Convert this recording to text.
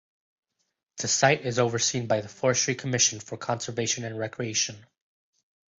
The site is overseen by the Forestry Commission for conservation and recreation.